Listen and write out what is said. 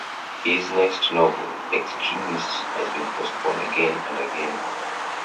His next novel, "Extremists", has been postponed again and again.